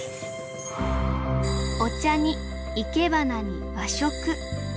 お茶にいけばなに和食。